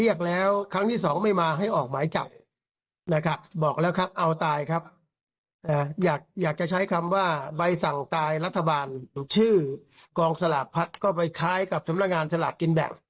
อยากจะใช้คำว่าใบสั่งตายรัฐบาลชื่อกองสลากพัดก็ไปคล้ายกับสำนักงานสลากกินแบ่ง